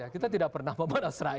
kita tidak pernah memperas rakyat